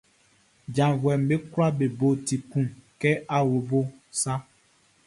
Janvuɛʼm be kwlaa be bo ti kun kɛ awlobo sa.